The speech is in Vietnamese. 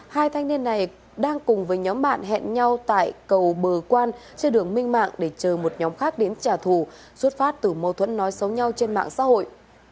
hai thanh niên này đang cùng với nhóm bạn hẹn nhau tại cầu bờ quan trên đường minh mạng để chờ một nhóm khác đến trả thù xuất phát từ mâu thuẫn nói xấu nhau trên mạng xã hội